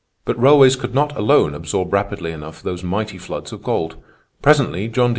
"But railways could not alone absorb rapidly enough those mighty floods of gold. Presently John D.